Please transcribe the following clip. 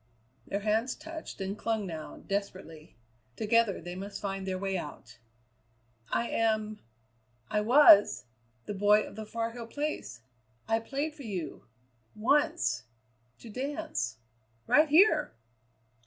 Their hands touched and clung now, desperately. Together they must find their way out. "I am I was the boy of the Far Hill Place. I played for you once to dance right here!"